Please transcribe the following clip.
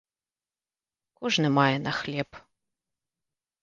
Кожны мае на хлеб.